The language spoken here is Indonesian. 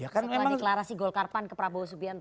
setelah deklarasi golkarpan ke prabowo subianto